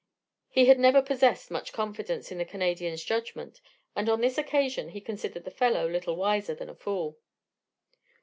He had never possessed much confidence in the Canadian's judgment and on this occasion he considered the fellow little wiser than a fool.